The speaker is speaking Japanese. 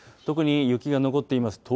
特に雪が残っています